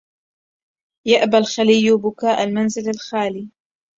يأبى الخلي بكاء المنزل الخالي